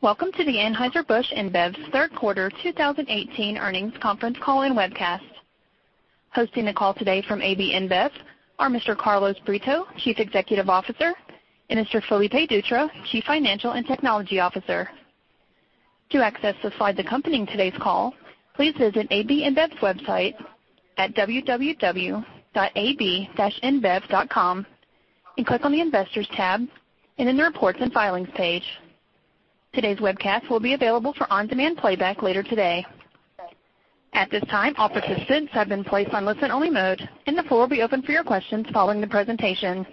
Welcome to the Anheuser-Busch InBev's third quarter 2018 earnings conference call and webcast. Hosting the call today from AB InBev are Mr. Carlos Brito, Chief Executive Officer, and Mr. Felipe Dutra, Chief Financial and Technology Officer. To access the slides accompanying today's call, please visit AB InBev's website at www.ab-inbev.com and click on the Investors tab and in the Reports and Filings page. Today's webcast will be available for on-demand playback later today. At this time, all participants have been placed on listen-only mode, and the floor will be open for your questions following the presentation.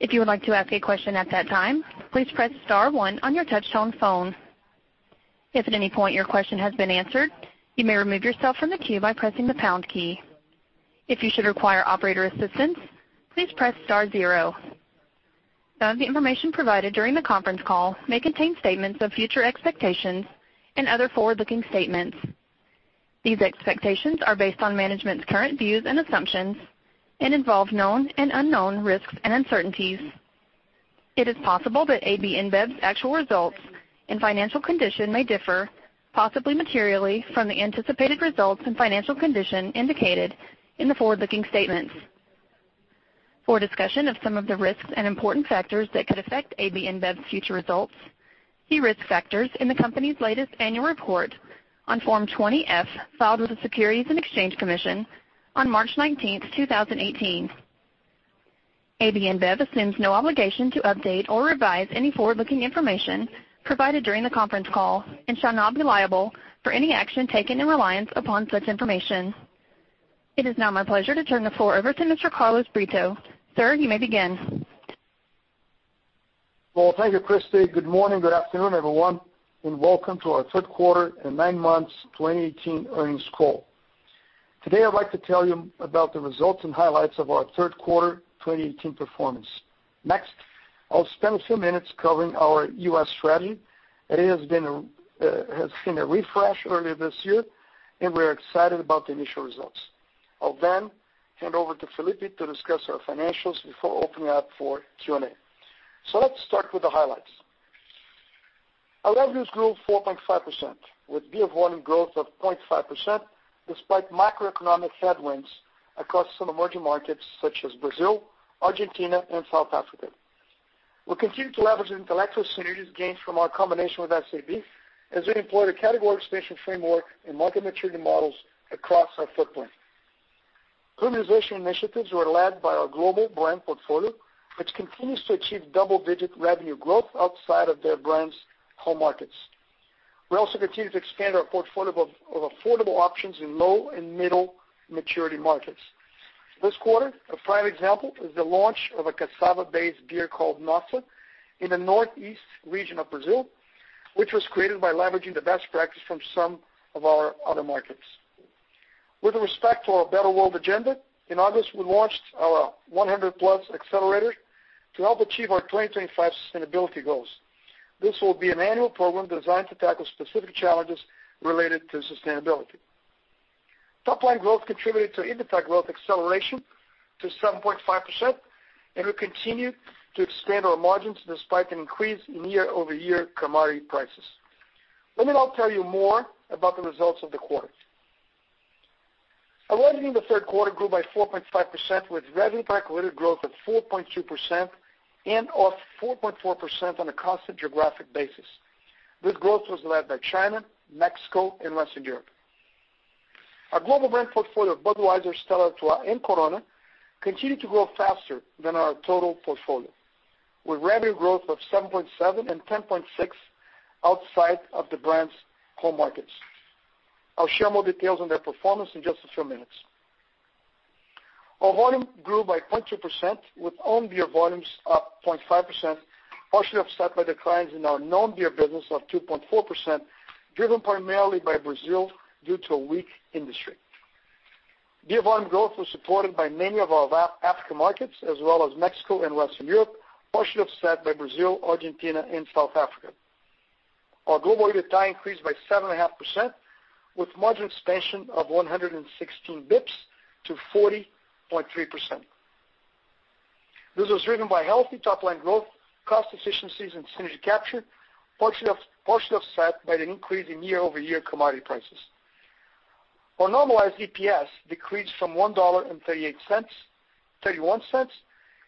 If you would like to ask a question at that time, please press star one on your touch-tone phone. If at any point your question has been answered, you may remove yourself from the queue by pressing the pound key. If you should require operator assistance, please press star zero. Some of the information provided during the conference call may contain statements of future expectations and other forward-looking statements. These expectations are based on management's current views and assumptions and involve known and unknown risks and uncertainties. It is possible that AB InBev's actual results and financial condition may differ, possibly materially, from the anticipated results and financial condition indicated in the forward-looking statements. For a discussion of some of the risks and important factors that could affect AB InBev's future results, see risk factors in the company's latest annual report on Form 20-F filed with the Securities and Exchange Commission on March 19th, 2018. AB InBev assumes no obligation to update or revise any forward-looking information provided during the conference call and shall not be liable for any action taken in reliance upon such information. It is now my pleasure to turn the floor over to Mr. Carlos Brito. Sir, you may begin. Well, thank you, Christie. Good morning, good afternoon, everyone, and welcome to our third quarter and nine months 2018 earnings call. Today, I'd like to tell you about the results and highlights of our third quarter 2018 performance. Next, I'll spend a few minutes covering our U.S. strategy. It has seen a refresh earlier this year, and we're excited about the initial results. I'll then hand over to Felipe to discuss our financials before opening up for Q&A. Let's start with the highlights. Our revenues grew 4.5%, with beer volume growth of 0.5% despite macroeconomic headwinds across some emerging markets such as Brazil, Argentina, and South Africa. We continue to leverage the intellectual synergies gained from our combination with SAB as we employ the Category Expansion Framework and market maturity models across our footprint. Premiumization initiatives were led by our global brand portfolio, which continues to achieve double-digit revenue growth outside of their brands' home markets. We also continue to expand our portfolio of affordable options in low and middle maturity markets. This quarter, a prime example is the launch of a cassava-based beer called Nossa in the northeast region of Brazil, which was created by leveraging the best practice from some of our other markets. With respect to our Better World agenda, in August, we launched our 100+ Accelerator to help achieve our 2025 sustainability goals. This will be an annual program designed to tackle specific challenges related to sustainability. Topline growth contributed to EBITDA growth acceleration to 7.5%, and we continue to expand our margins despite an increase in year-over-year commodity prices. Let me now tell you more about the results of the quarter. Our revenue in the third quarter grew by 4.5%, with revenue per capita growth of 4.2% and off 4.4% on a constant geographic basis. Good growth was led by China, Mexico, and Western Europe. Our global brand portfolio of Budweiser, Stella Artois, and Corona continued to grow faster than our total portfolio, with revenue growth of 7.7% and 10.6% outside of the brands' home markets. I'll share more details on their performance in just a few minutes. Our volume grew by 0.2%, with own beer volumes up 0.5%, partially offset by declines in our non-beer business of 2.4%, driven primarily by Brazil due to a weak industry. Beer volume growth was supported by many of our Africa markets as well as Mexico and Western Europe, partially offset by Brazil, Argentina, and South Africa. Our global EBITDA increased by 7.5%, with margin expansion of 116 basis points to 40.3%. This was driven by healthy top-line growth, cost efficiencies, and synergy captured, partially offset by an increase in year-over-year commodity prices. Our normalized EPS decreased from $1.38, $0.31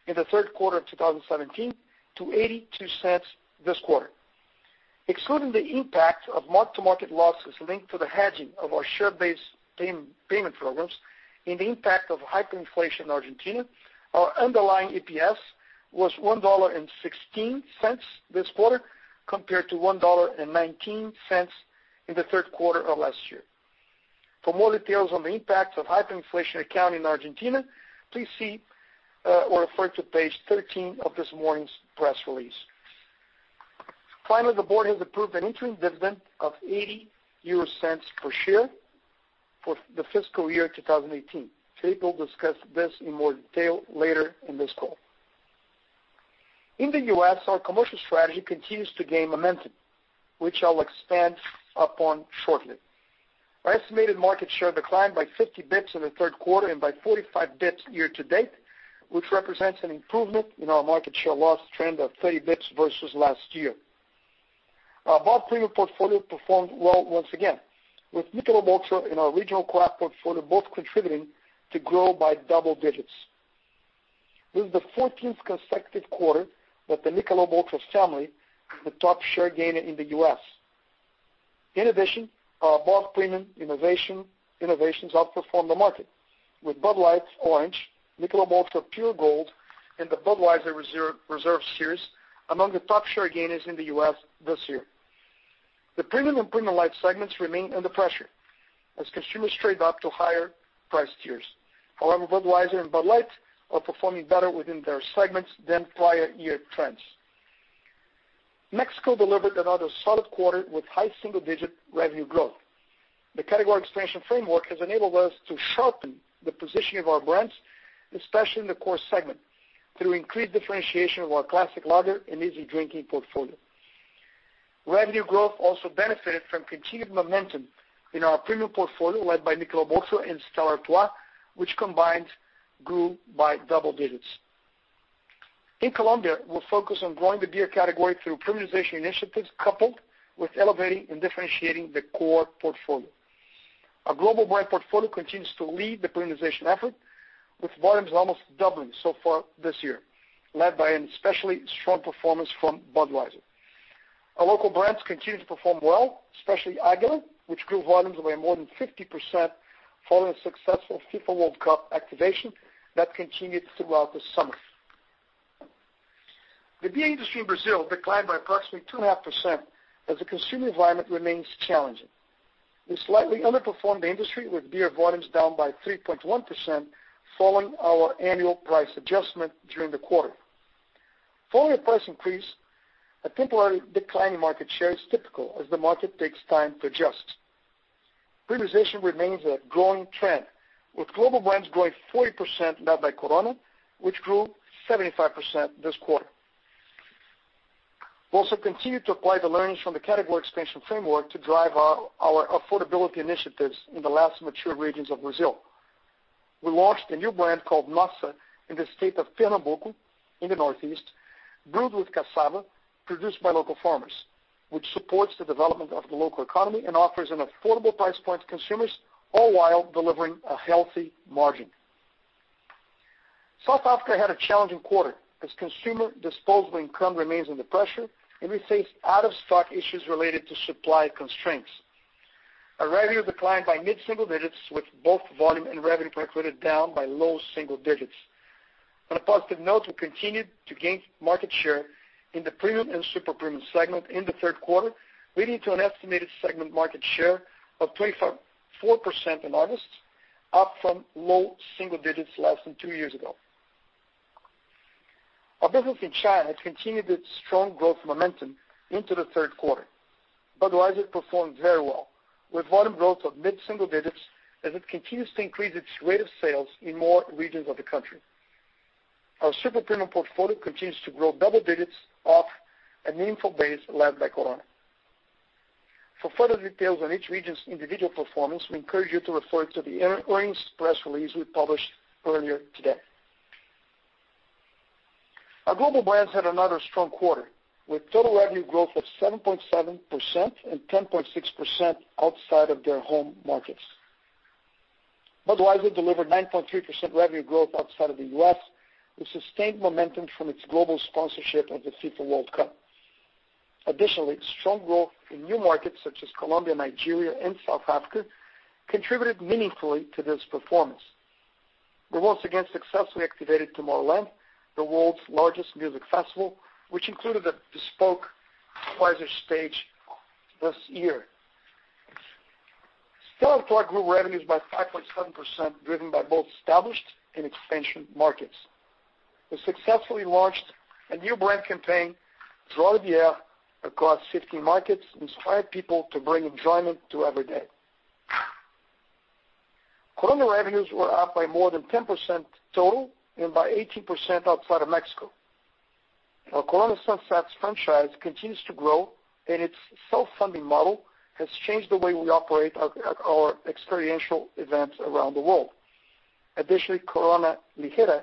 in the third quarter of 2017 to $0.82 this quarter. Excluding the impact of mark-to-market losses linked to the hedging of our share-based payment programs and the impact of hyperinflation in Argentina, our underlying EPS was $1.16 this quarter, compared to $1.19 in the third quarter of last year. For more details on the impact of hyperinflation accounting in Argentina, please see or refer to page 13 of this morning's press release. Finally, the board has approved an interim dividend of 0.80 per share for the fiscal year 2018. Felipe will discuss this in more detail later in this call. In the U.S., our commercial strategy continues to gain momentum, which I'll expand upon shortly. Our estimated market share declined by 50 basis points in the third quarter and by 45 basis points year-to-date, which represents an improvement in our market share loss trend of 30 basis points versus last year. Our above premium portfolio performed well once again, with Michelob Ultra and our regional craft portfolio both contributing to grow by double digits. This is the 14th consecutive quarter that the Michelob Ultra family is the top share gainer in the U.S. In addition, our above premium innovations outperformed the market, with Bud Light Orange, Michelob Ultra Pure Gold, and the Budweiser Reserve Collection among the top share gainers in the U.S. this year. The premium and premium light segments remain under pressure as consumers trade up to higher price tiers. Budweiser and Bud Light are performing better within their segments than prior year trends. Mexico delivered another solid quarter with high single-digit revenue growth. The Category Expansion Framework has enabled us to sharpen the positioning of our brands, especially in the core segment, through increased differentiation of our classic lager and easy drinking portfolio. Revenue growth also benefited from continued momentum in our premium portfolio, led by Michelob Ultra and Stella Artois, which combined grew by double digits. In Colombia, we're focused on growing the beer category through premiumization initiatives, coupled with elevating and differentiating the core portfolio. Our global brand portfolio continues to lead the premiumization effort, with volumes almost doubling so far this year, led by an especially strong performance from Budweiser. Our local brands continue to perform well, especially Águila, which grew volumes by more than 50% following a successful FIFA World Cup activation that continued throughout the summer. The beer industry in Brazil declined by approximately 2.5% as the consumer environment remains challenging. We slightly underperformed the industry, with beer volumes down by 3.1%, following our annual price adjustment during the quarter. Following a price increase, a temporary decline in market share is typical as the market takes time to adjust. Premiumization remains a growing trend, with global brands growing 40%, led by Corona, which grew 75% this quarter. We also continue to apply the learnings from the Category Expansion Framework to drive our affordability initiatives in the less mature regions of Brazil. We launched a new brand called Nossa in the state of Pernambuco in the northeast, brewed with cassava produced by local farmers, which supports the development of the local economy and offers an affordable price point to consumers, all while delivering a healthy margin. South Africa had a challenging quarter as consumer disposable income remains under pressure and we faced out-of-stock issues related to supply constraints. Our revenue declined by mid-single digits, with both volume and revenue per hectoliter down by low single digits. On a positive note, we continued to gain market share in the premium and super premium segment in the third quarter, leading to an estimated segment market share of 24% in August, up from low single digits less than two years ago. Our business in China has continued its strong growth momentum into the third quarter. Budweiser performed very well, with volume growth of mid-single digits as it continues to increase its rate of sales in more regions of the country. Our super premium portfolio continues to grow double digits off a meaningful base led by Corona. For further details on each region's individual performance, we encourage you to refer to the earnings press release we published earlier today. Our global brands had another strong quarter, with total revenue growth of 7.7% and 10.6% outside of their home markets. Budweiser delivered 9.3% revenue growth outside of the U.S., with sustained momentum from its global sponsorship of the FIFA World Cup. Additionally, strong growth in new markets such as Colombia, Nigeria, and South Africa contributed meaningfully to this performance. We once again successfully activated Tomorrowland, the world's largest music festival, which included a bespoke Budweiser stage this year. Stella Artois grew revenues by 5.7%, driven by both established and expansion markets. We successfully launched a new brand campaign, Joie de Bière, across 50 markets to inspire people to bring enjoyment to every day. Corona revenues were up by more than 10% total and by 18% outside of Mexico. Our Corona Sunsets franchise continues to grow, and its self-funding model has changed the way we operate our experiential events around the world. Additionally, Corona Ligera,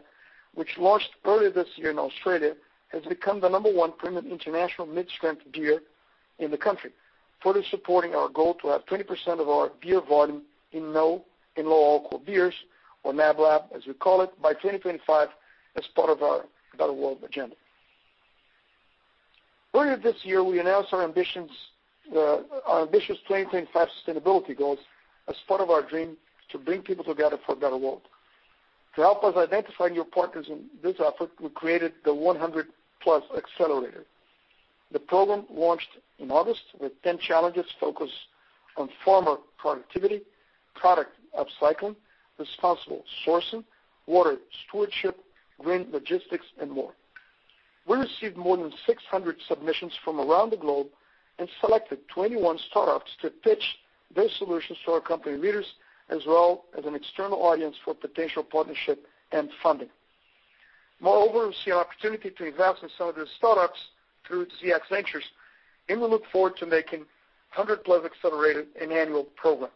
which launched earlier this year in Australia, has become the number 1 premium international mid-strength beer in the country, further supporting our goal to have 20% of our beer volume in low-alcohol beers, or NABLAB as we call it, by 2025 as part of our Better World Agenda. Earlier this year, we announced our ambitious 2025 sustainability goals as part of our Dream to Bring People Together for a Better World. To help us identify new partners in this effort, we created the 100+ Accelerator. The program launched in August with 10 challenges focused on farmer productivity, product upcycling, responsible sourcing, water stewardship, green logistics, and more. We received more than 600 submissions from around the globe and selected 21 startups to pitch their solutions to our company leaders as well as an external audience for potential partnership and funding. Moreover, we see an opportunity to invest in some of these startups through ZX Ventures, and we look forward to making 100+ Accelerator an annual program.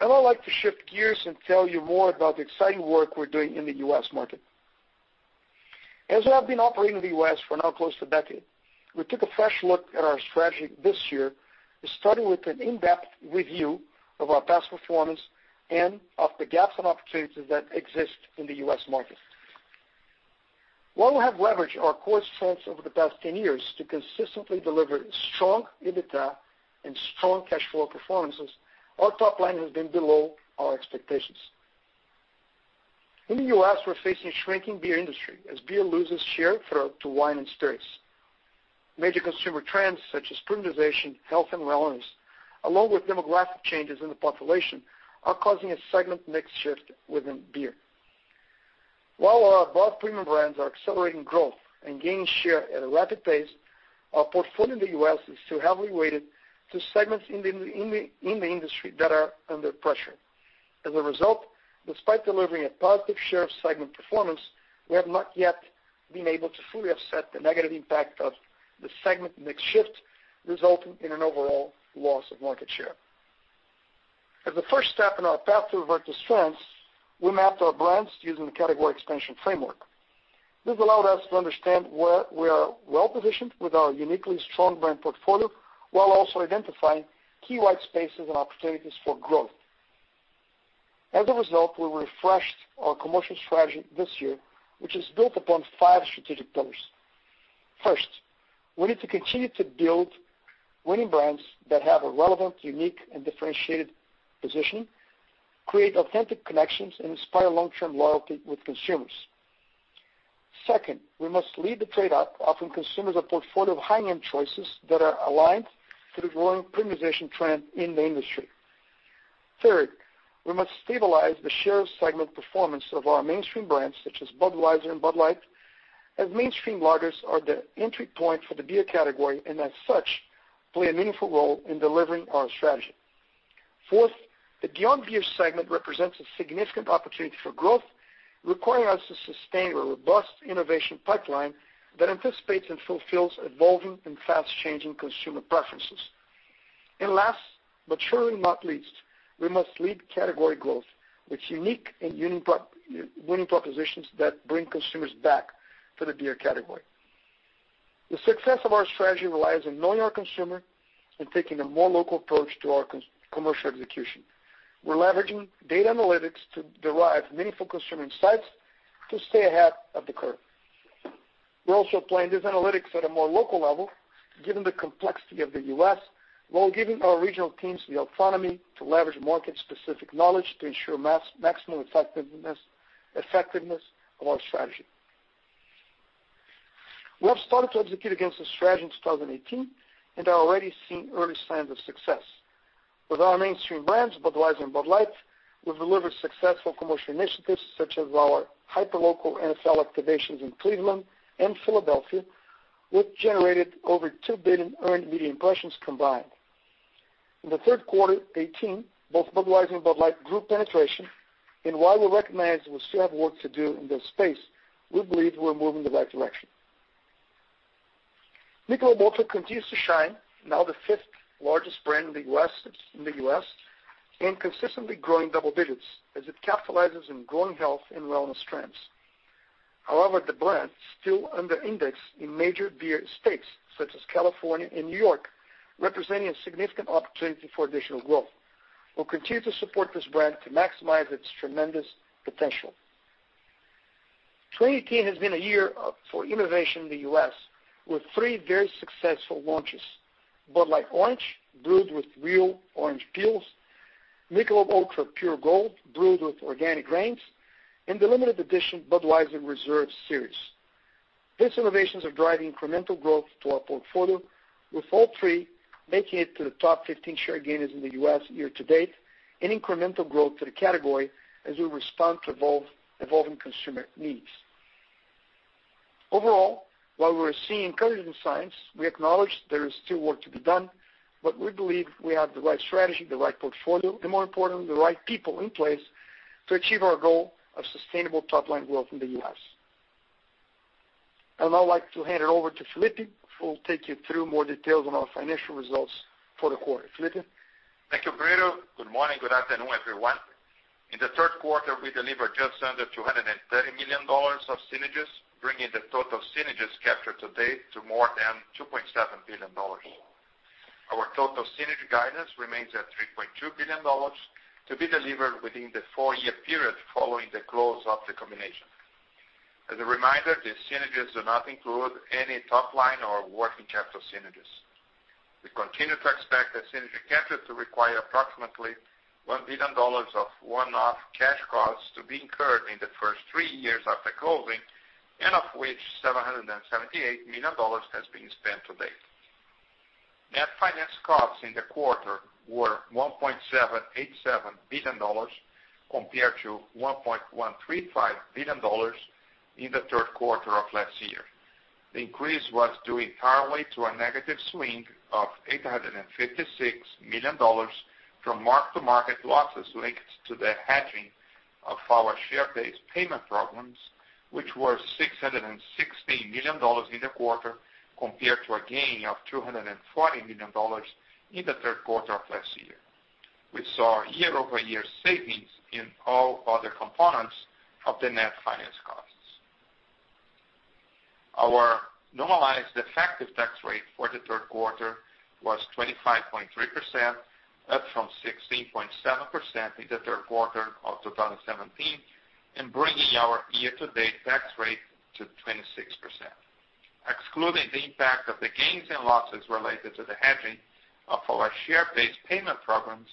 I would like to shift gears and tell you more about the exciting work we're doing in the U.S. market. As we have been operating in the U.S. for now close to a decade, we took a fresh look at our strategy this year, starting with an in-depth review of our past performance and of the gaps and opportunities that exist in the U.S. market. While we have leveraged our core strengths over the past 10 years to consistently deliver strong EBITDA and strong cash flow performances, our top line has been below our expectations. In the U.S., we're facing a shrinking beer industry as beer loses share to wine and spirits. Major consumer trends such as premiumization, health, and wellness, along with demographic changes in the population, are causing a segment mix shift within beer. While our above-premium brands are accelerating growth and gaining share at a rapid pace, our portfolio in the U.S. is too heavily weighted to segments in the industry that are under pressure. As a result, despite delivering a positive share of segment performance, we have not yet been able to fully offset the negative impact of the segment mix shift, resulting in an overall loss of market share. As a first step in our path to revert to strengths, we mapped our brands using the Category Expansion Framework. This allowed us to understand where we are well-positioned with our uniquely strong brand portfolio, while also identifying key white spaces and opportunities for growth. As a result, we refreshed our commercial strategy this year, which is built upon five strategic pillars. First, we need to continue to build winning brands that have a relevant, unique, and differentiated position, create authentic connections, and inspire long-term loyalty with consumers. Second, we must lead the trade up, offering consumers a portfolio of high-end choices that are aligned to the growing premiumization trend in the industry. Third, we must stabilize the share of segment performance of our mainstream brands, such as Budweiser and Bud Light, as mainstream lagers are the entry point for the beer category, as such, play a meaningful role in delivering our strategy. Fourth, the beyond beer segment represents a significant opportunity for growth, requiring us to sustain a robust innovation pipeline that anticipates and fulfills evolving and fast-changing consumer preferences. Last, but surely not least, we must lead category growth with unique and winning propositions that bring consumers back to the beer category. The success of our strategy relies on knowing our consumer and taking a more local approach to our commercial execution. We're leveraging data analytics to derive meaningful consumer insights to stay ahead of the curve. We're also applying these analytics at a more local level, given the complexity of the U.S., while giving our regional teams the autonomy to leverage market-specific knowledge to ensure maximum effectiveness of our strategy. We have started to execute against this strategy in 2018 and are already seeing early signs of success. With our mainstream brands, Budweiser and Bud Light, we've delivered successful commercial initiatives such as our hyperlocal NFL activations in Cleveland and Philadelphia, which generated over 2 billion earned media impressions combined. In the third quarter 2018, both Budweiser and Bud Light grew penetration, while we recognize we still have work to do in this space, we believe we're moving in the right direction. Michelob ULTRA continues to shine, now the fifth-largest brand in the U.S., and consistently growing double digits as it capitalizes on growing health and wellness trends. However, the brand still underindex in major beer states such as California and New York, representing a significant opportunity for additional growth. We'll continue to support this brand to maximize its tremendous potential. 2018 has been a year for innovation in the U.S., with three very successful launches. Bud Light Orange, brewed with real orange peels, Michelob ULTRA Pure Gold, brewed with organic grains, and the limited edition Budweiser Reserve series. These innovations are driving incremental growth to our portfolio, with all three making it to the top 15 share gainers in the U.S. year to date and incremental growth to the category as we respond to evolving consumer needs. Overall, while we're seeing encouraging signs, we acknowledge there is still work to be done, but we believe we have the right strategy, the right portfolio, and more importantly, the right people in place to achieve our goal of sustainable top-line growth in the U.S. I would now like to hand it over to Felipe, who will take you through more details on our financial results for the quarter. Felipe? Thank you, Benito. Good morning, good afternoon, everyone. In the third quarter, we delivered just under $230 million of synergies, bringing the total synergies captured to date to more than $2.7 billion. Our total synergy guidance remains at $3.2 billion, to be delivered within the four-year period following the close of the combination. As a reminder, these synergies do not include any top-line or working capital synergies. We continue to expect the synergy captured to require approximately $1 billion of one-off cash costs to be incurred in the first three years after closing, and of which $778 million has been spent to date. Net finance costs in the quarter were $1.787 billion compared to $1.135 billion in the third quarter of last year. The increase was due entirely to a negative swing of $856 million from mark-to-market losses linked to the hedging of our share-based payment programs, which were $616 million in the quarter, compared to a gain of $240 million in the third quarter of last year. We saw year-over-year savings in all other components of the net finance costs. Our normalized effective tax rate for the third quarter was 25.3%, up from 16.7% in the third quarter of 2017, and bringing our year-to-date tax rate to 26%. Excluding the impact of the gains and losses related to the hedging of our share-based payment programs,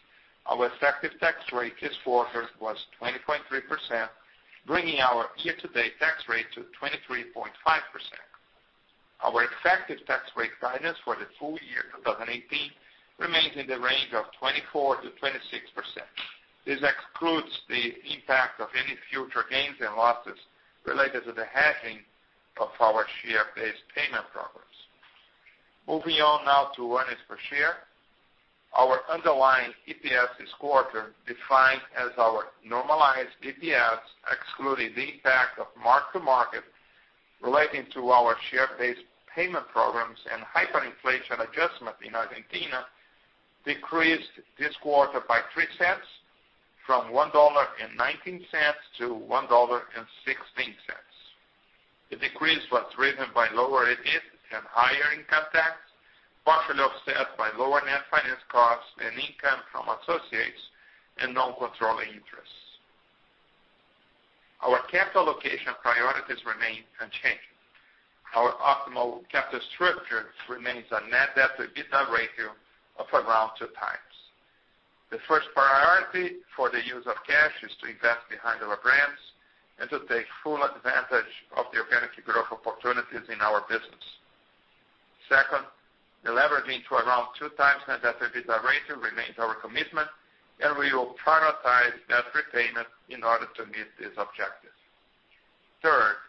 our effective tax rate this quarter was 20.3%, bringing our year-to-date tax rate to 23.5%. Our effective tax rate guidance for the full year 2018 remains in the range of 24%-26%. This excludes the impact of any future gains and losses related to the hedging of our share-based payment programs. Moving on now to earnings per share. Our underlying EPS this quarter, defined as our normalized EPS, excluding the impact of mark-to-market relating to our share-based payment programs and hyperinflation adjustment in Argentina, decreased this quarter by $0.03 from $1.19 to $1.16. The decrease was driven by lower EPS and higher income tax, partially offset by lower net finance costs and income from associates and non-controlling interests. Our capital allocation priorities remain unchanged. Our optimal capital structure remains a net debt to EBITDA ratio of around two times. The first priority for the use of cash is to invest behind our brands and to take full advantage of the organic growth opportunities in our business. Second, the leveraging to around two times net debt to EBITDA ratio remains our commitment, and we will prioritize debt repayment in order to meet this objective. Third,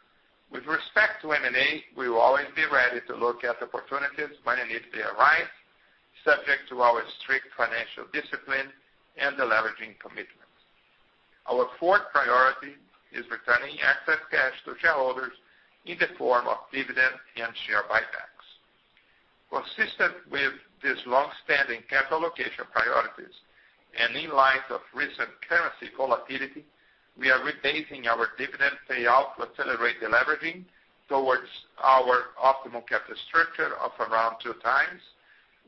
with respect to M&A, we will always be ready to look at opportunities when and if they arise, subject to our strict financial discipline and the leveraging commitment. Our fourth priority is returning excess cash to shareholders in the form of dividend and share buybacks. Consistent with these longstanding capital allocation priorities, and in light of recent currency volatility, we are rebasing our dividend payout to accelerate the leveraging towards our optimal capital structure of around two times,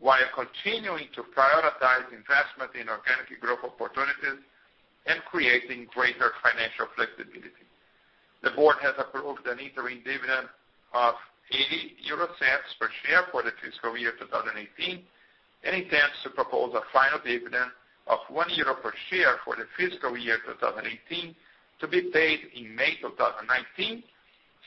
while continuing to prioritize investment in organic growth opportunities and creating greater financial flexibility. The board has approved an interim dividend of 0.80 per share for the fiscal year 2018, and intends to propose a final dividend of 1 euro per share for the fiscal year 2018 to be paid in May 2019,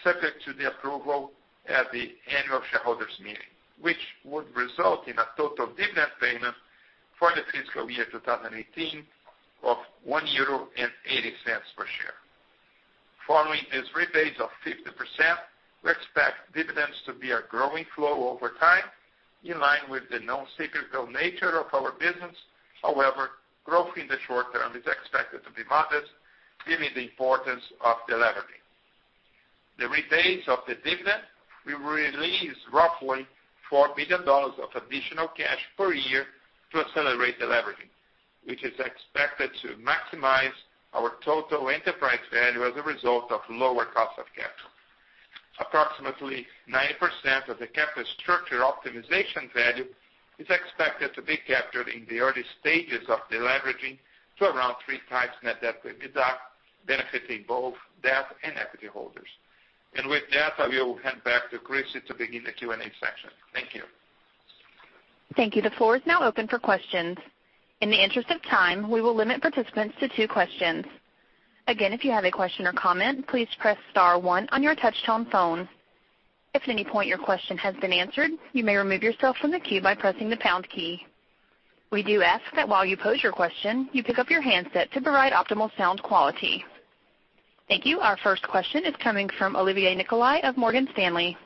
subject to the approval at the annual shareholders' meeting. This would result in a total dividend payment for the fiscal year 2018 of 1.80 euro per share. Following this rebase of 50%, we expect dividends to be a growing flow over time, in line with the non-cyclical nature of our business. Growth in the short term is expected to be modest, given the importance of the deleveraging. The rebase of the dividend will release roughly EUR 4 billion of additional cash per year to accelerate the deleveraging, which is expected to maximize our total enterprise value as a result of lower cost of capital. Approximately 90% of the capital structure optimization value is expected to be captured in the early stages of deleveraging to around 3 times net debt to EBITDA, benefiting both debt and equity holders. With that, I will hand back to Christie to begin the Q&A section. Thank you. Thank you. The floor is now open for questions. In the interest of time, we will limit participants to 2 questions. Again, if you have a question or comment, please press *1 on your touch-tone phone. If at any point your question has been answered, you may remove yourself from the queue by pressing the # key. We do ask that while you pose your question, you pick up your handset to provide optimal sound quality. Thank you. Our first question is coming from Olivier Nicolai of Morgan Stanley.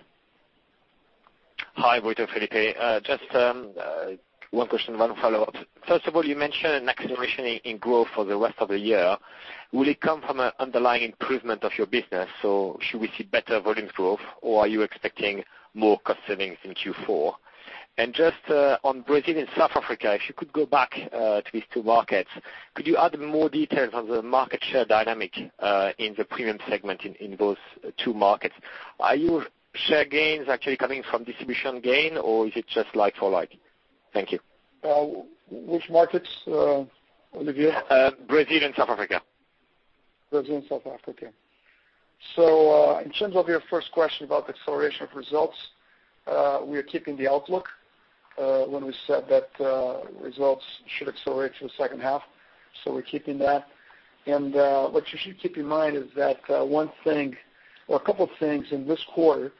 Hi, Brito and Felipe. Just 1 question, 1 follow-up. First of all, you mentioned an acceleration in growth for the rest of the year. Will it come from an underlying improvement of your business, so should we see better volume growth, or are you expecting more cost savings in Q4? Just on Brazil and South Africa, if you could go back to these 2 markets, could you add more details on the market share dynamic in the premium segment in those 2 markets? Are your share gains actually coming from distribution gain, or is it just like for like? Thank you. Which markets, Olivier? Brazil and South Africa. Brazil and South Africa. In terms of your first question about the acceleration of results, we are keeping the outlook when we said that results should accelerate for the second half. We're keeping that. What you should keep in mind is that one thing or a couple things in this quarter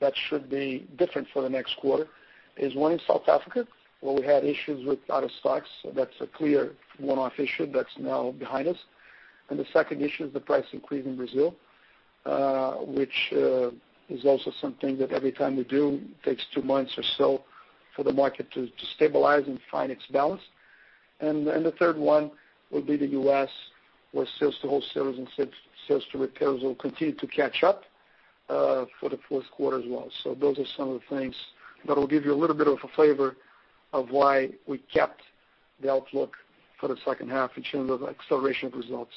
that should be different for the next quarter is, one, in South Africa, where we had issues with out of stocks. That's a clear one-off issue that's now behind us. The second issue is the price increase in Brazil. Which is also something that every time we do, it takes two months or so for the market to stabilize and find its balance. The third one will be the U.S., where sales to wholesalers and sales to retailers will continue to catch up for the fourth quarter as well. Those are some of the things that will give you a little bit of a flavor of why we kept the outlook for the second half in terms of acceleration of results.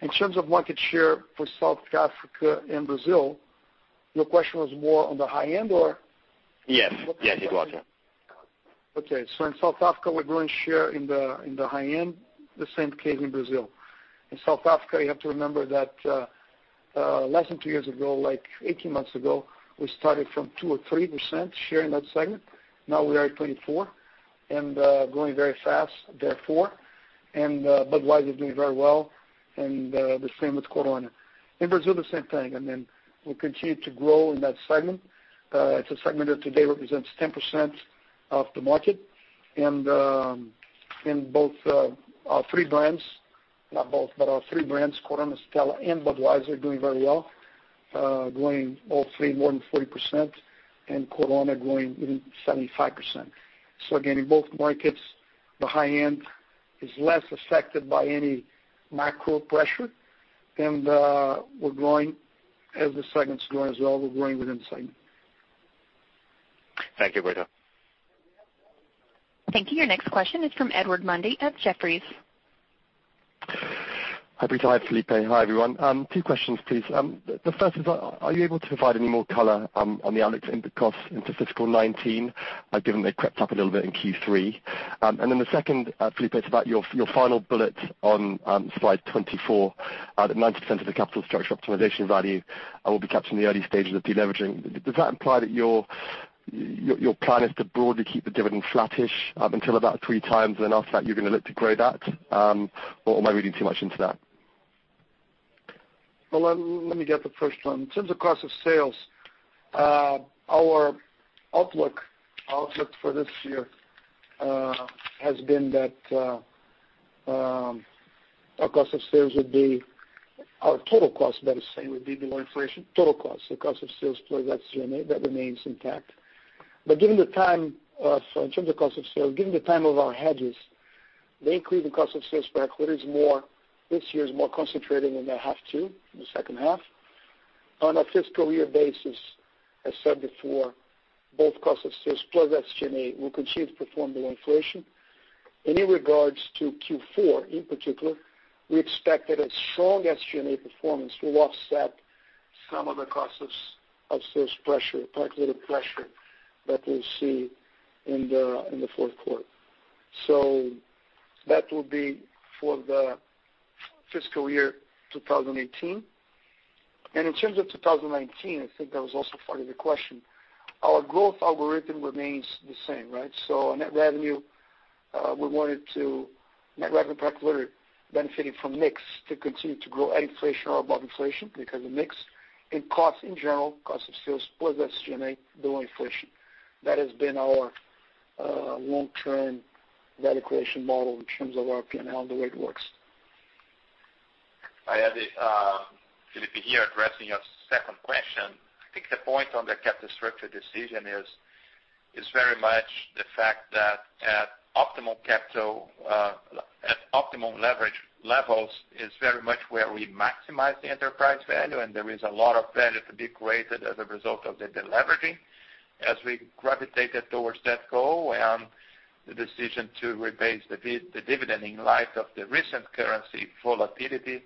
In terms of market share for South Africa and Brazil, your question was more on the high end or? Yes. In South Africa, we're growing share in the high end, the same case in Brazil. In South Africa, you have to remember that less than two years ago, 18 months ago, we started from 2% or 3% share in that segment. Now we are at 24% and growing very fast, therefore. Budweiser is doing very well, and the same with Corona. In Brazil, the same thing. We'll continue to grow in that segment. It's a segment that today represents 10% of the market. Our three brands, not both, but our three brands, Corona, Stella, and Budweiser are doing very well. Growing all three more than 40%, and Corona growing even 75%. Again, in both markets, the high end is less affected by any macro pressure, and as the segment's growing as well, we're growing within segment. Thank you, Brito. Thank you. Your next question is from Edward Mundy at Jefferies. Hi, Brito. Hi, Felipe. Hi, everyone. Two questions, please. The first is, are you able to provide any more color on the opex in the cost into fiscal 2019, given they crept up a little bit in Q3? The second, Felipe, it's about your final bullet on slide 24. The 90% of the capital structure optimization value will be captured in the early stages of deleveraging. Does that imply that your plan is to broadly keep the dividend flattish up until about three times, and then after that, you're going to look to grow that? Or am I reading too much into that? Let me get the first one. In terms of cost of sales, our outlook for this year has been that our total cost, that is, say, would be below inflation. Total cost. The cost of sales plus SG&A, that remains intact. In terms of cost of sales, given the timing of our hedges, they increase the cost of sales per hectoliters. This year is more concentrated in the half 2, in the second half. On a fiscal year basis, as said before, both cost of sales plus SG&A will continue to perform below inflation. In regards to Q4, in particular, we expect that a strong SG&A performance will offset some of the cost of sales pressure, particularly the pressure that we will see in the fourth quarter. That will be for the fiscal year 2018. In terms of 2019, I think that was also part of the question. Our growth algorithm remains the same, right? On net revenue, net revenue per hectoliter benefiting from mix to continue to grow at inflation or above inflation because of mix. Cost in general, cost of sales plus SG&A, below inflation. That has been our long-term value creation model in terms of our P&L and the way it works. Hi, Eddie. Felipe here addressing your second question. I think the point on the capital structure decision is very much the fact that at optimum leverage levels is very much where we maximize the enterprise value, and there is a lot of value to be created as a result of the deleveraging. As we gravitated towards that goal and the decision to rebase the dividend in light of the recent currency volatility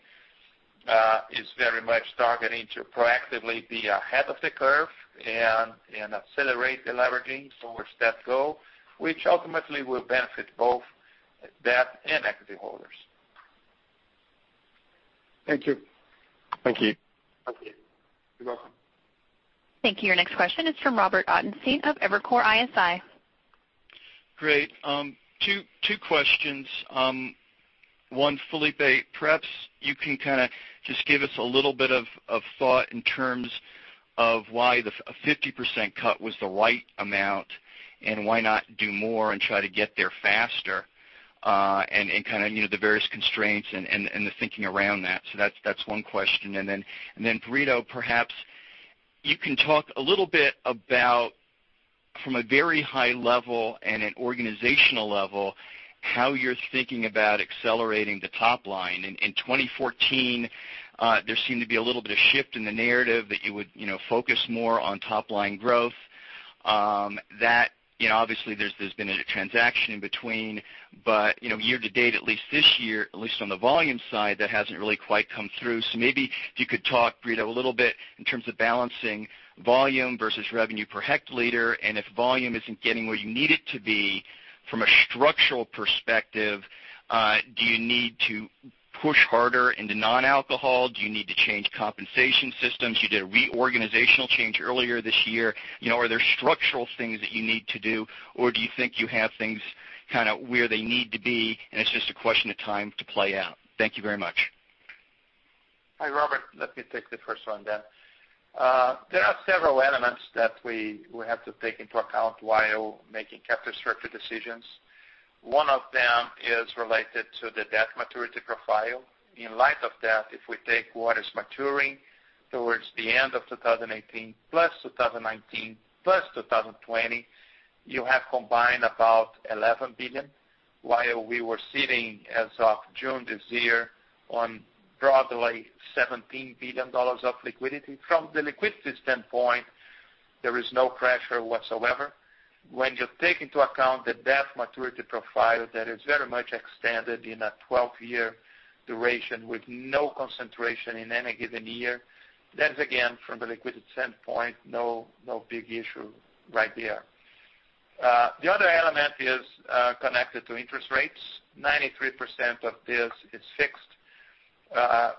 is very much targeting to proactively be ahead of the curve and accelerate deleveraging towards that goal, which ultimately will benefit both debt and equity holders. Thank you. Thank you. Thank you. You're welcome. Thank you. Your next question is from Robert Ottenstein of Evercore ISI. Great. Two questions. One, Felipe, perhaps you can kind of just give us a little bit of thought in terms of why the 50% cut was the right amount, and why not do more and try to get there faster, and kind of the various constraints and the thinking around that. That's one question. Brito, perhaps you can talk a little bit about, from a very high level and an organizational level, how you're thinking about accelerating the top line. In 2014, there seemed to be a little bit of shift in the narrative that you would focus more on top-line growth. Obviously, there's been a transaction in between, but year to date, at least this year, at least on the volume side, that hasn't really quite come through. Maybe if you could talk, Brito, a little bit in terms of balancing volume versus net revenue per hectoliter, and if volume isn't getting where you need it to be from a structural perspective, do you need to push harder into non-alcohol? Do you need to change compensation systems? You did a reorganizational change earlier this year. Are there structural things that you need to do, or do you think you have things kind of where they need to be and it's just a question of time to play out? Thank you very much. Hi, Robert. Let me take the first one then. There are several elements that we have to take into account while making capital structure decisions. One of them is related to the debt maturity profile. In light of that, if we take what is maturing towards the end of 2018, plus 2019, plus 2020, you have combined about 11 billion, while we were sitting as of June this year on broadly EUR 17 billion of liquidity. From the liquidity standpoint, there is no pressure whatsoever. When you take into account the debt maturity profile that is very much extended in a 12-year duration with no concentration in any given year, that is, again, from the liquidity standpoint, no big issue right there. The other element is connected to interest rates. 93% of this is fixed.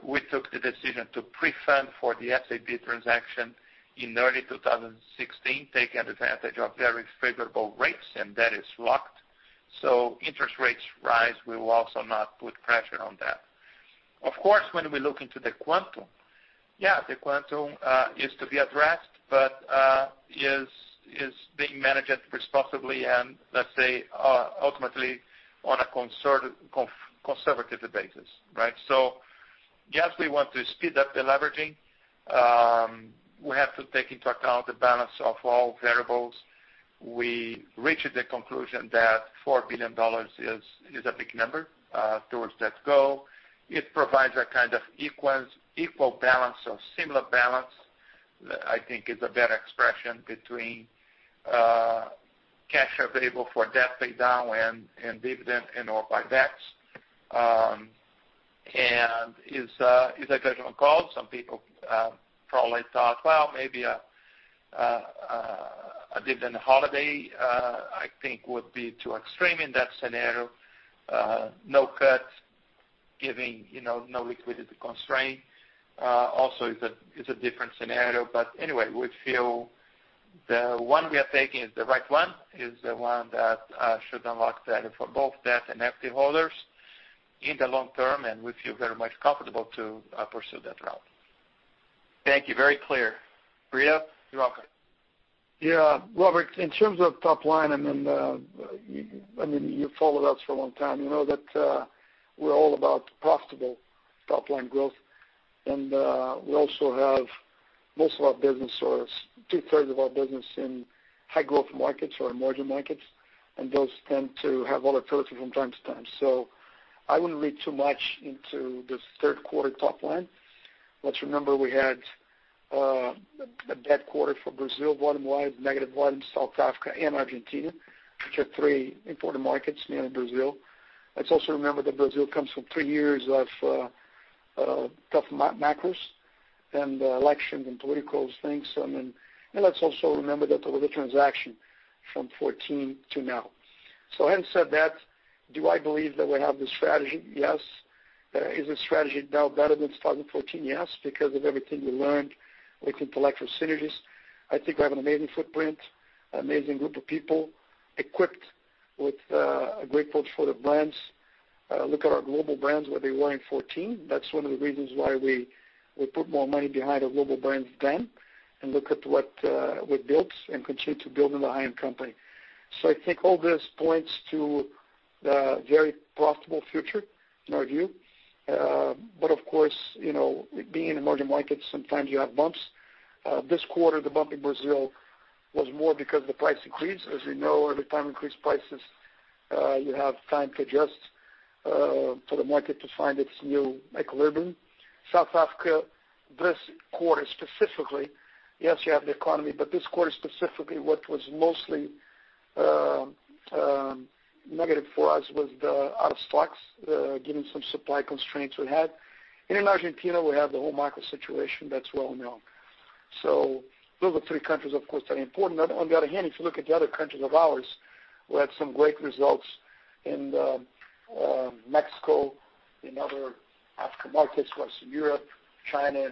We took the decision to prefund for the SABMiller transaction in early 2016, taking advantage of very favorable rates, and that is locked. Interest rates rise will also not put pressure on that. Of course, when we look into the quantum, yeah, the quantum is to be addressed, but is being managed responsibly and let's say, ultimately, on a conservative basis. Yes, we want to speed up the leveraging. We have to take into account the balance of all variables. We reached the conclusion that EUR 4 billion is a big number towards that goal. It provides a kind of equal balance or similar balance, I think is a better expression, between cash available for debt paydown and dividend and/or buybacks. It's a judgment call. Some people probably thought, well, maybe a dividend holiday, I think, would be too extreme in that scenario. No cuts, giving no liquidity constraint also is a different scenario. Anyway, we feel the one we are taking is the right one, is the one that should unlock value for both debt and equity holders in the long term, and we feel very much comfortable to pursue that route. Thank you. Very clear. Brito? You're welcome. Robert, in terms of top line, you've followed us for a long time. You know that we're all about profitable top-line growth. We also have most of our business, or two-thirds of our business, in high-growth markets or emerging markets, and those tend to have volatility from time to time. I wouldn't read too much into this third quarter top line. Let's remember we had a bad quarter for Brazil bottom line, negative one in South Africa and Argentina, which are three important markets, namely Brazil. Let's also remember that Brazil comes from three years of tough macros and elections and political things. Let's also remember that there was a transaction from 2014 to now. Having said that, do I believe that we have the strategy? Yes. Is the strategy now better than 2014? Yes. Everything we learned with intellectual synergies. I think we have an amazing footprint, amazing group of people equipped with a great portfolio of brands. Look at our global brands, where they were in 2014. That's one of the reasons why we put more money behind our global brands then, and look at what we built and continue to build in The HEINEKEN Company. I think all this points to a very profitable future in our view. Of course, being in emerging markets, sometimes you have bumps. This quarter, the bump in Brazil was more because of the price increase. As you know, every time you increase prices, you have time to adjust for the market to find its new equilibrium. South Africa, this quarter specifically, yes, you have the economy, but this quarter specifically, what was mostly negative for us was the out of stocks, given some supply constraints we had. In Argentina, we have the whole macro situation that's well-known. Those are three countries, of course, that are important. On the other hand, if you look at the other countries of ours, we had some great results in Mexico, in other African markets, Western Europe, China,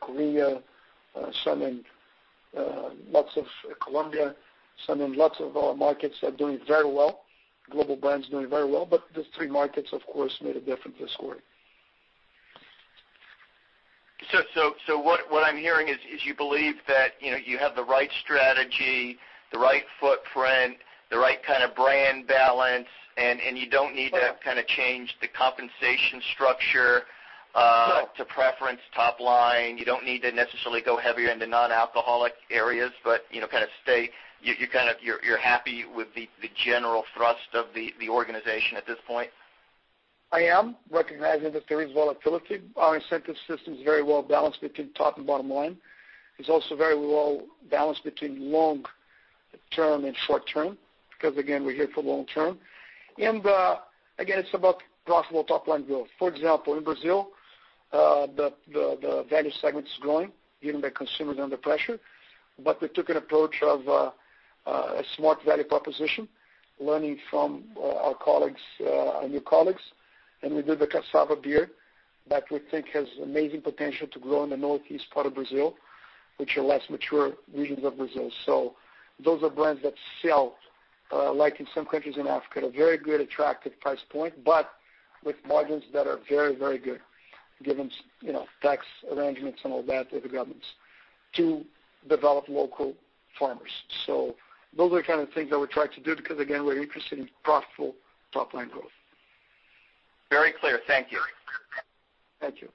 Korea, lots of Colombia. I mean, lots of our markets are doing very well. Global brands doing very well. Those three markets, of course, made a difference this quarter. What I'm hearing is you believe that you have the right strategy, the right footprint, the right kind of brand balance, and you don't need to kind of change the compensation structure- No to preference top line. You don't need to necessarily go heavier into non-alcoholic areas, you're happy with the general thrust of the organization at this point? I am, recognizing that there is volatility. Our incentive system is very well-balanced between top and bottom line. It's also very well-balanced between long term and short term, because again, we're here for long term. Again, it's about profitable top-line growth. For example, in Brazil, the value segment is growing, given that consumers are under pressure. We took an approach of a smart value proposition, learning from our new colleagues, and we did the Cassava beer that we think has amazing potential to grow in the northeast part of Brazil, which are less mature regions of Brazil. Those are brands that sell. Like in some countries in Africa, at a very good attractive price point, but with margins that are very good given tax arrangements and all that with the governments to develop local farmers. Those are the kind of things that we're trying to do because, again, we're interested in profitable top-line growth. Very clear. Thank you. Thank you.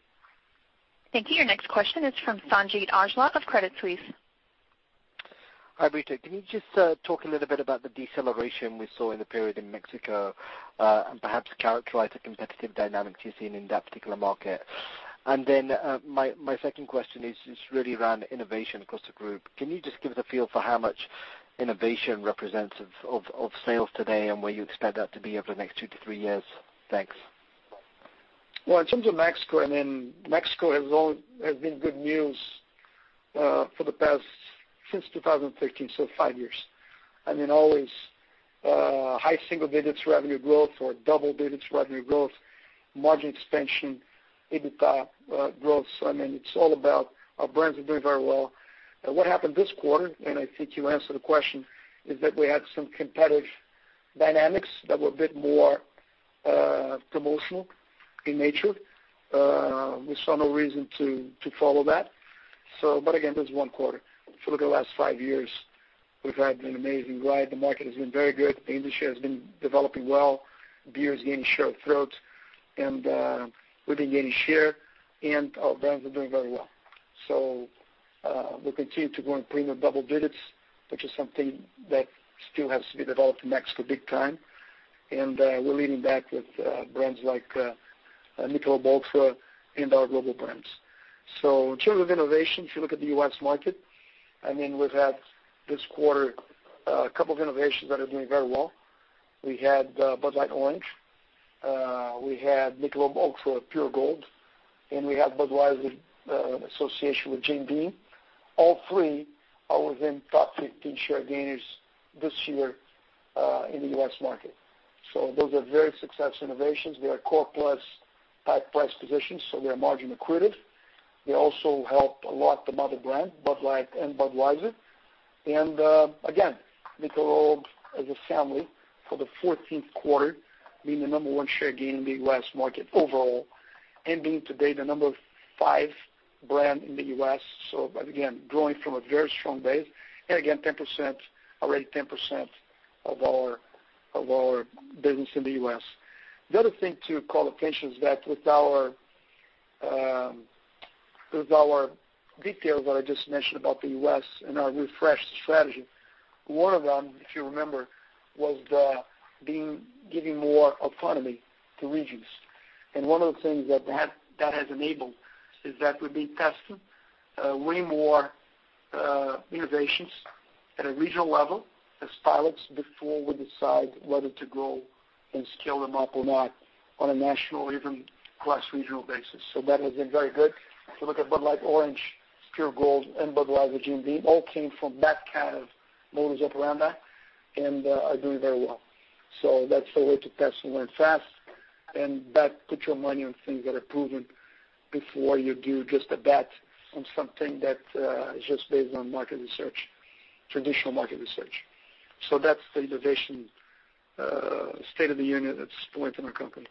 Thank you. Your next question is from Sanjeet Aujla of Credit Suisse. Hi, Brito. Can you just talk a little bit about the deceleration we saw in the period in Mexico, and perhaps characterize the competitive dynamics you're seeing in that particular market? My second question is just really around innovation across the group. Can you just give us a feel for how much innovation represents of sales today and where you expect that to be over the next two to three years? Thanks. Well, in terms of Mexico has been good news since 2015, so five years. Always high single digits revenue growth or double digits revenue growth, margin expansion, EBITDA growth. Our brands are doing very well. What happened this quarter, and I think you answered the question, is that we had some competitive dynamics that were a bit more promotional in nature. We saw no reason to follow that. Again, that's one quarter. If you look at the last five years, we've had an amazing ride. The market has been very good. The industry has been developing well. Beer is gaining share of throat, and we've been gaining share, and our brands are doing very well. We'll continue to grow in premium double digits, which is something that still has to be developed in Mexico big time. We're leading back with brands like Michelob Ultra and our global brands. In terms of innovation, if you look at the U.S. market, we've had this quarter a couple of innovations that are doing very well. We had Bud Light Orange, we had Michelob Ultra Pure Gold, and we had Budweiser in association with Jim Beam. All three are within top 15 share gainers this year in the U.S. market. Those are very success innovations. They are core plus type price positions, so they are margin accretive. They also help a lot the mother brand, Bud Light and Budweiser. Again, Michelob as a family for the 14th quarter being the number one share gain in the U.S. market overall and being today the number five brand in the U.S. Again, growing from a very strong base. Again, already 10% of our business in the U.S. The other thing to call attention is that with our details that I just mentioned about the U.S. and our refreshed strategy, one of them, if you remember, was giving more autonomy to regions. One of the things that that has enabled is that we've been testing way more innovations at a regional level as pilots before we decide whether to grow and scale them up or not on a national or even cross-regional basis. That has been very good. If you look at Bud Light Orange, Pure Gold, and Budweiser Jim Beam, all came from that kind of modus operandi and are doing very well. That's the way to test and learn fast and put your money on things that are proven before you do just a bet on something that is just based on traditional market research. That's the innovation state of the union that's going through our company.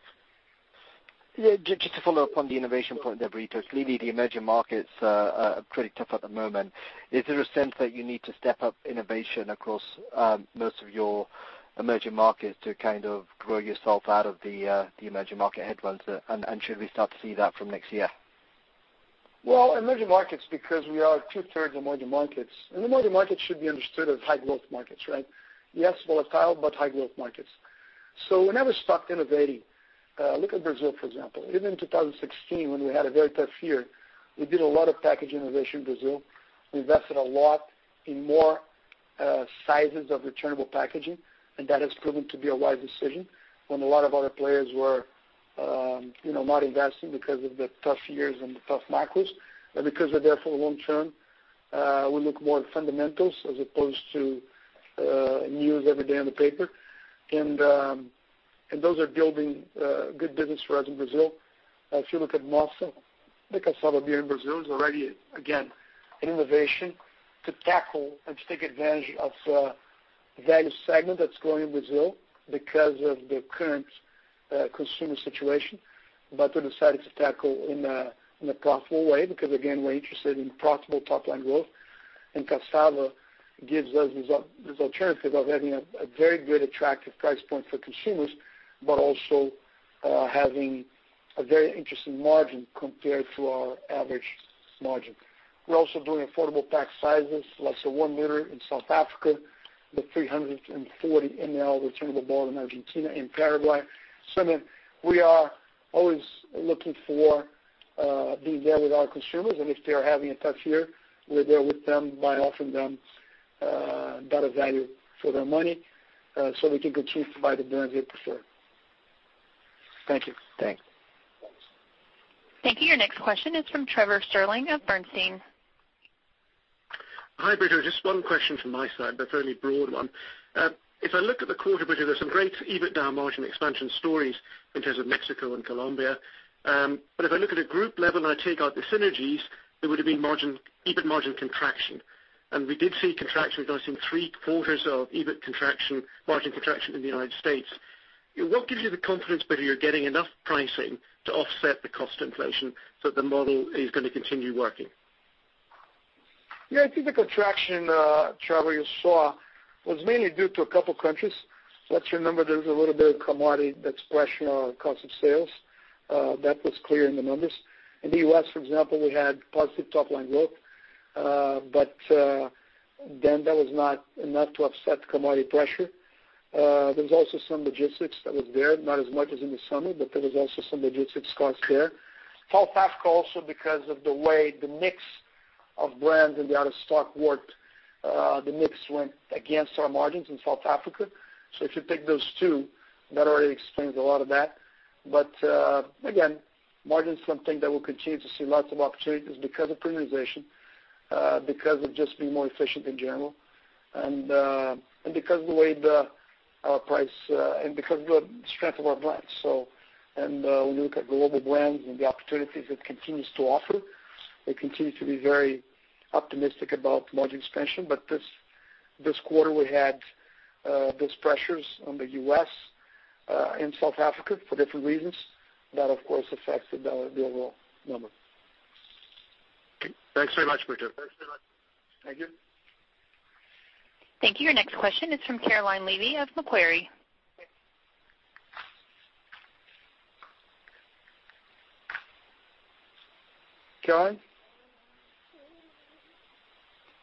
Yeah. Just to follow up on the innovation point there, Brito. Clearly, the emerging markets are pretty tough at the moment. Is there a sense that you need to step up innovation across most of your emerging markets to kind of grow yourself out of the emerging market headwinds? Should we start to see that from next year? Well, emerging markets, because we are two-thirds of emerging markets, and emerging markets should be understood as high-growth markets, right? Yes, volatile, but high-growth markets. We never stopped innovating. Look at Brazil, for example. Even in 2016, when we had a very tough year, we did a lot of package innovation in Brazil. We invested a lot in more sizes of returnable packaging, and that has proven to be a wise decision when a lot of other players were not investing because of the tough years and the tough macros. Because we're there for the long term, we look more at fundamentals as opposed to news every day on the paper. Those are building good business for us in Brazil. If you look at Nossa, like a cassava beer in Brazil is already, again, an innovation to tackle and to take advantage of the value segment that's growing in Brazil because of the current consumer situation. We decided to tackle in a profitable way because, again, we're interested in profitable top-line growth. Cassava gives us this alternative of having a very good, attractive price point for consumers, but also having a very interesting margin compared to our average margin. We're also doing affordable pack sizes, like say 1 liter in South Africa, the 340 ML returnable bottle in Argentina and Paraguay. We are always looking for being there with our consumers, and if they are having a tough year, we're there with them by offering them better value for their money so we can continue to buy the brands we prefer. Thank you. Thanks. Thank you. Your next question is from Trevor Stirling of Bernstein. Hi, Brito. Just one question from my side, but a fairly broad one. If I look at the quarter, Brito, there's some great EBIT margin expansion stories in terms of Mexico and Colombia. If I look at a group level and I take out the synergies, there would've been EBIT margin contraction. We did see contraction. We've got, I think, three quarters of EBIT margin contraction in the U.S. What gives you the confidence that you're getting enough pricing to offset the cost inflation so the model is going to continue working? I think the contraction, Trevor, you saw was mainly due to a couple of countries. Let's remember there's a little bit of commodity that's crushing our cost of sales. That was clear in the numbers. In the U.S., for example, we had positive top-line growth, that was not enough to offset commodity pressure. There's also some logistics that was there, not as much as in the summer, there was also some logistics costs there. South Africa, also because of the way the mix of brands and the out-of-stock worked, the mix went against our margins in South Africa. If you take those two, that already explains a lot of that. Again, margin is something that we'll continue to see lots of opportunities because of premiumization, because of just being more efficient in general, and because of the strength of our brands. When you look at global brands and the opportunities it continues to offer, we continue to be very optimistic about margin expansion. This quarter, we had those pressures on the U.S. and South Africa for different reasons. That, of course, affects the overall number. Okay. Thanks very much, Brito. Thanks very much. Thank you. Thank you. Your next question is from Caroline Levy of Macquarie. Caroline?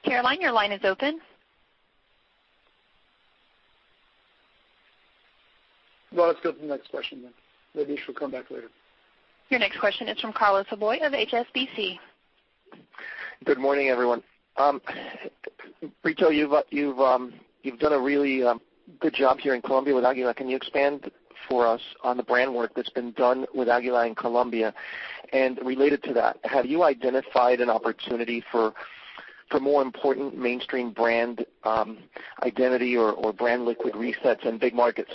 Caroline, your line is open. Well, let's go to the next question then. Maybe she'll come back later. Your next question is from Carlos Laboy of HSBC. Good morning, everyone. Brito, you've done a really good job here in Colombia with Águila. Can you expand for us on the brand work that's been done with Águila in Colombia? Related to that, have you identified an opportunity for more important mainstream brand identity or brand liquid resets in big markets?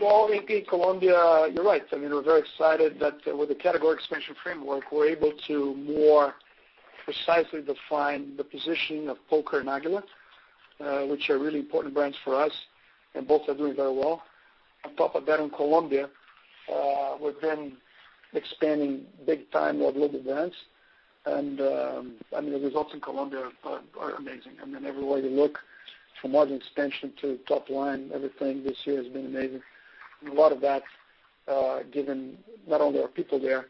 Well, indeed, Colombia, you're right. We're very excited that with the Category Expansion Framework, we're able to more precisely define the positioning of Poker and Águila, which are really important brands for us. Both are doing very well. On top of that, in Colombia, we've been expanding big time our global brands. The results in Colombia are amazing. Everywhere you look, from margin expansion to top line, everything this year has been amazing. A lot of that's given not only our people there,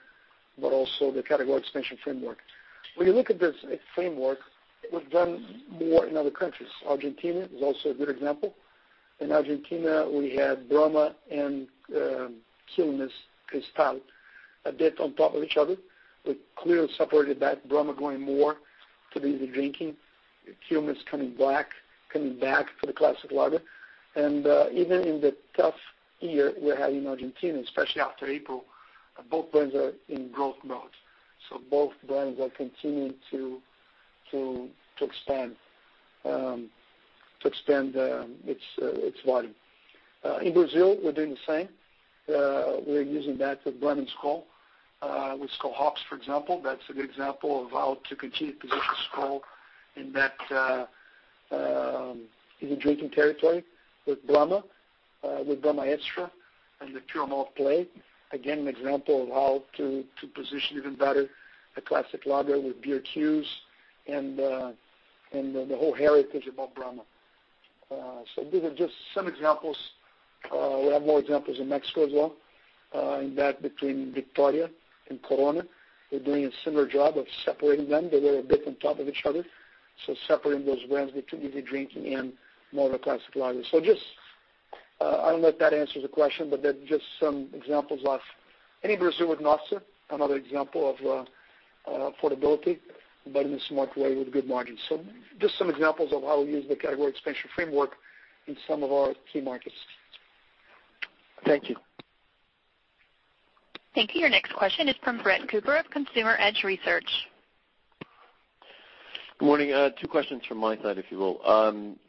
but also the Category Expansion Framework. When you look at this framework, we've done more in other countries. Argentina is also a good example. In Argentina, we had Brahma and Quilmes Cristal a bit on top of each other. We clearly separated that, Brahma going more to the easy drinking, Quilmes coming back for the classic lager. Even in the tough year we're having in Argentina, especially after April, both brands are in growth mode. Both brands are continuing to expand its volume. In Brazil, we're doing the same. We're using that with blending Skol. With Skol Hops, for example, that's a good example of how to continue to position Skol in that easy drinking territory. With Brahma, with Brahma Extra and the pure malt play, again, an example of how to position even better a classic lager with beer cues and the whole heritage about Brahma. These are just some examples. We have more examples in Mexico as well. In that between Victoria and Corona, we're doing a similar job of separating them. They were a bit on top of each other. Separating those brands between easy drinking and more of a classic lager. I don't know if that answers the question, but they're just some examples of. In Brazil with Nossa, another example of affordability, but in a smart way with good margins. Just some examples of how we use the Category Expansion Framework in some of our key markets. Thank you. Thank you. Your next question is from Brett Cooper of Consumer Edge Research. Good morning. Two questions from my side, if you will.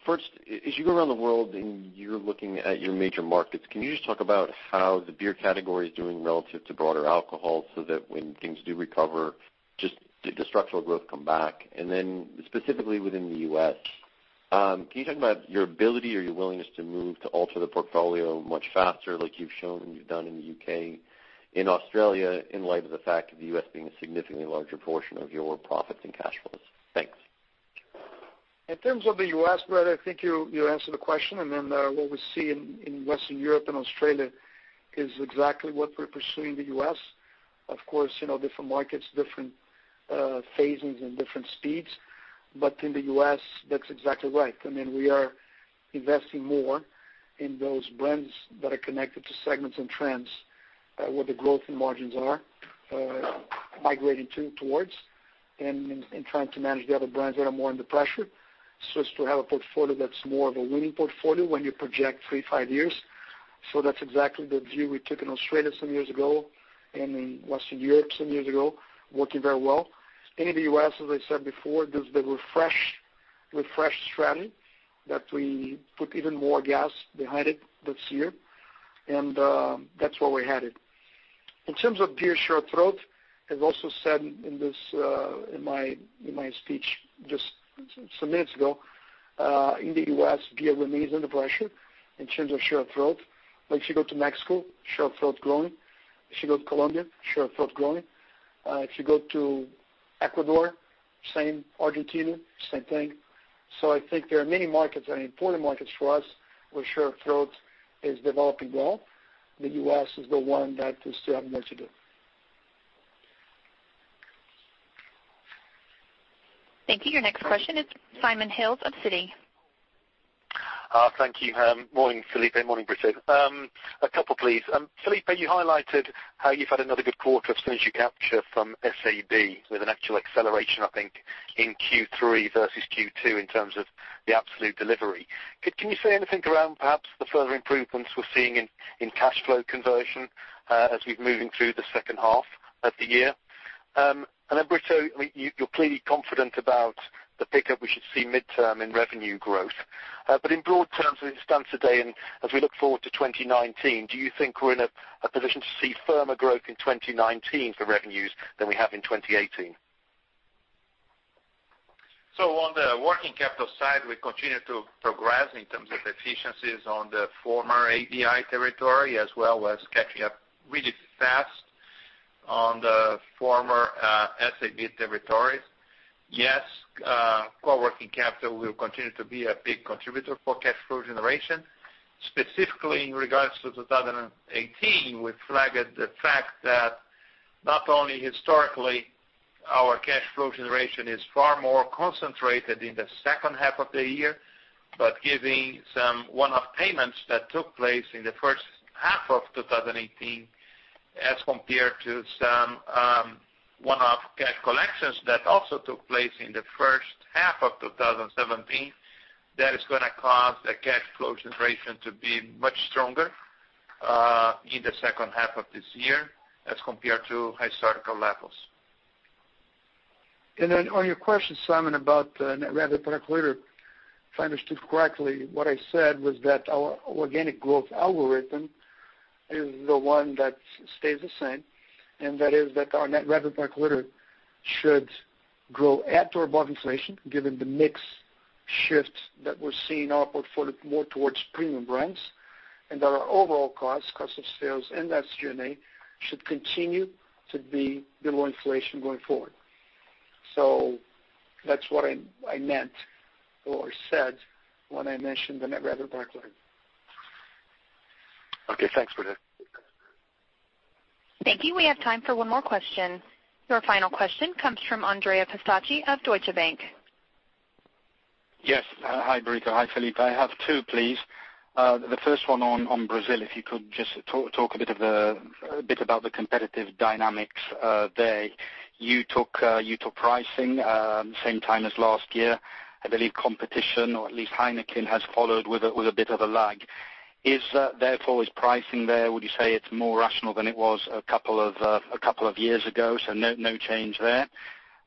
First, as you go around the world and you're looking at your major markets, can you just talk about how the beer category is doing relative to broader alcohol so that when things do recover, just did the structural growth come back? Specifically within the U.S., can you talk about your ability or your willingness to move to alter the portfolio much faster, like you've shown and you've done in the U.K., in Australia, in light of the fact of the U.S. being a significantly larger portion of your profits and cash flows? Thanks. In terms of the U.S., Brett, I think you answered the question. What we see in Western Europe and Australia is exactly what we're pursuing in the U.S. Of course, different markets, different phasings, and different speeds. In the U.S., that's exactly right. We are investing more in those brands that are connected to segments and trends, where the growth and margins are migrating towards, and trying to manage the other brands that are more under pressure. As to have a portfolio that's more of a winning portfolio when you project three, five years. That's exactly the view we took in Australia some years ago and in Western Europe some years ago, working very well. In the U.S., as I said before, there's the refresh strategy that we put even more gas behind it this year, and that's where we're headed. In terms of beer share of throat, as also said in my speech just some minutes ago, in the U.S., beer remains under pressure in terms of share of throat. If you go to Mexico, share of throat growing. If you go to Colombia, share of throat growing. If you go to Ecuador, same. Argentina, same thing. I think there are many markets that are important markets for us where share of throat is developing well. The U.S. is the one that we still have more to do. Thank you. Your next question is Simon Hales of Citi. Thank you. Morning, Felipe. Morning, Brito. A couple, please. Felipe, you highlighted how you've had another good quarter of strategic capture from SABMiller, with an actual acceleration, I think, in Q3 versus Q2 in terms of the absolute delivery. Can you say anything around perhaps the further improvements we're seeing in cash flow conversion as we're moving through the second half of the year? Brito, you're clearly confident about the pickup we should see midterm in revenue growth. In broad terms as it stands today and as we look forward to 2019, do you think we're in a position to see firmer growth in 2019 for revenues than we have in 2018? On the working capital side, we continue to progress in terms of efficiencies on the former ABI territory, as well as catching up really fast on the former SABMiller territories. Core working capital will continue to be a big contributor for cash flow generation. Specifically in regards to 2018, we flagged the fact that not only historically, our cash flow generation is far more concentrated in the second half of the year, but giving some one-off payments that took place in the first half of 2018 as compared to some one-off cash collections that also took place in the first half of 2017, that is going to cause the cash flow generation to be much stronger in the second half of this year as compared to historical levels. On your question, Simon, about net revenue per hectoliter, if I understood correctly, what I said was that our organic growth algorithm is the one that stays the same, and that is that our net revenue per hectoliter should grow at or above inflation, given the mix shifts that we're seeing in our portfolio more towards premium brands, and that our overall costs, cost of sales and SG&A, should continue to be below inflation going forward. That's what I meant or said when I mentioned the net revenue per hectoliter. Thanks, Brito. Thank you. We have time for one more question. Your final question comes from Andrea Pistocchi of Deutsche Bank. Yes. Hi, Brito. Hi, Felipe. I have two, please. The first one on Brazil, if you could just talk a bit about the competitive dynamics there. You took pricing same time as last year. I believe competition, or at least Heineken, has followed with a bit of a lag. Is pricing there, would you say it's more rational than it was a couple of years ago? No change there.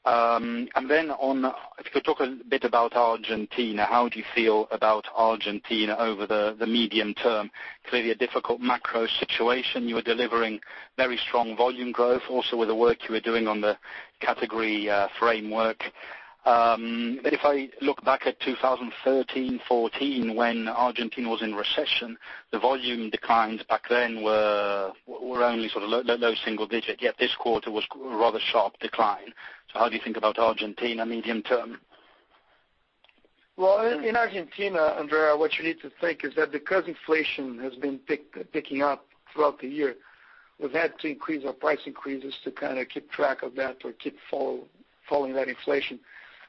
If you could talk a bit about Argentina. How do you feel about Argentina over the medium term? Clearly a difficult macro situation. You are delivering very strong volume growth, also with the work you are doing on the Category Expansion Framework. If I look back at 2013, 2014, when Argentina was in recession, the volume declines back then were only low single digit, yet this quarter was a rather sharp decline. How do you think about Argentina medium term? Well, in Argentina, Andrea, what you need to think is that because inflation has been picking up throughout the year, we've had to increase our price increases to kind of keep track of that or keep following that inflation.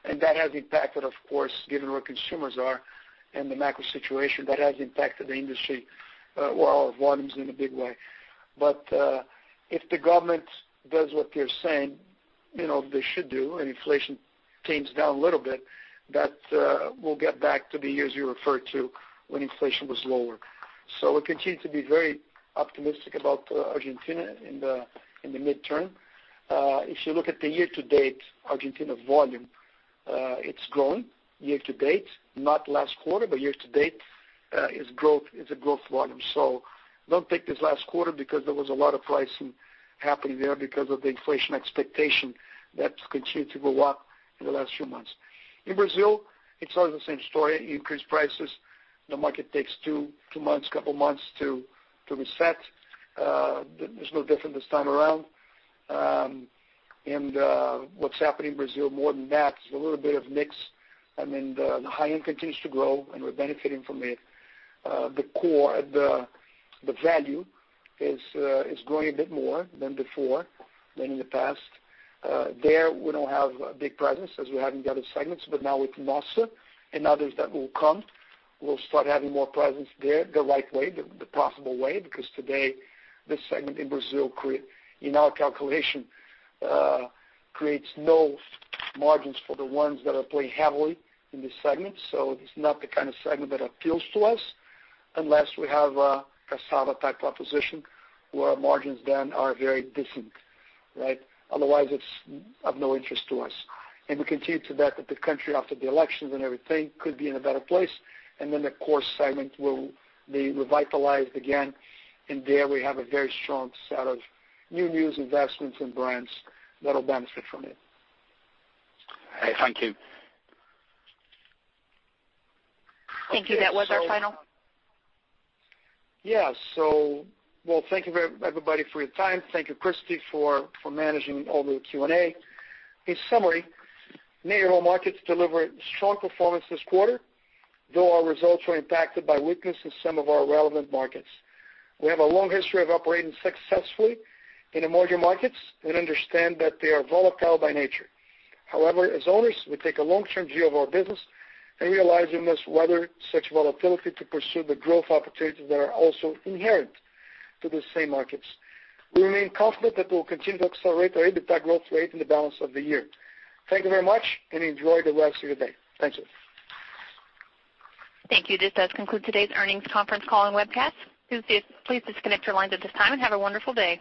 That has impacted, of course, given where consumers are and the macro situation, that has impacted the industry, well, volumes in a big way. If the government does what they're saying they should do and inflation tames down a little bit, that will get back to the years you referred to when inflation was lower. We continue to be very optimistic about Argentina in the midterm. If you look at the year-to-date Argentina volume, it's grown year-to-date. Not last quarter, but year-to-date is a growth volume. Don't take this last quarter because there was a lot of pricing happening there because of the inflation expectation that continued to go up in the last few months. In Brazil, it's always the same story. You increase prices, the market takes two months, couple months to reset. It's no different this time around. What's happening in Brazil more than that is a little bit of mix. The high-end continues to grow, and we're benefiting from it. The value is growing a bit more than before, than in the past. There, we don't have a big presence as we have in the other segments, but now with Nossa and others that will come, we'll start having more presence there the right way, the profitable way, because today this segment in Brazil, in our calculation, creates no margins for the ones that are playing heavily in this segment. It's not the kind of segment that appeals to us unless we have a Cassava-type proposition where our margins then are very decent. Otherwise, it's of no interest to us. We continue to bet that the country after the elections and everything could be in a better place, and then the core segment will be revitalized again, and there we have a very strong set of new news investments and brands that will benefit from it. Thank you. Thank you. That was our final. Thank you, everybody, for your time. Thank you, Christie, for managing all the Q&A. In summary, near all markets delivered strong performance this quarter, though our results were impacted by weakness in some of our relevant markets. We have a long history of operating successfully in emerging markets and understand that they are volatile by nature. However, as owners, we take a long-term view of our business and realize we must weather such volatility to pursue the growth opportunities that are also inherent to the same markets. We remain confident that we'll continue to accelerate our EBITDA growth rate in the balance of the year. Thank you very much, and enjoy the rest of your day. Thank you. Thank you. This does conclude today's earnings conference call and webcast. Please disconnect your lines at this time, and have a wonderful day.